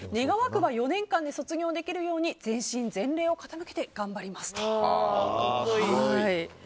願わくば４年間で卒業できるように全身全霊をかけて頑張りますと。